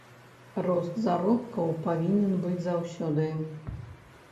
Рост заробкаў павінен быць заўсёды.